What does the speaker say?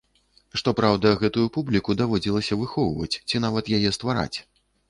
Што праўда, гэтую публіку даводзілася выхоўваць, ці нават яе ствараць.